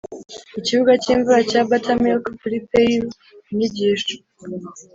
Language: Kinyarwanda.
ikibuga cyimvura ya buttermilk kuri pail! inyigisho